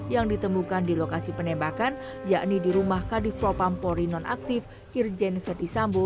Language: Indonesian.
yang ditemukan di lokasi penembakan yakni di rumah kadif propampori nonaktif irjen ferdisambo